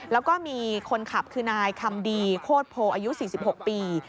แล้วก็มีคนขับคือนายคำดีโคตรโพอายุ๔๖ปี